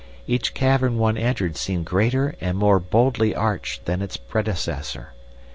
Each cavern one entered seemed greater and more boldly arched than its predecessor.